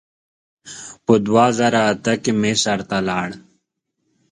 په دوه زره اته کې مصر ته لاړم.